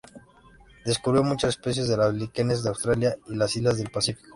Descubrió muchas especies de líquenes de Australia y las islas del Pacífico.